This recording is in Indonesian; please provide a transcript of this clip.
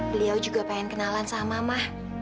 beliau juga pengen kenalan sama mama